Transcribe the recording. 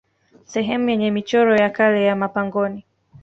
Sehemu yenye michoro ya kale ya mapangoni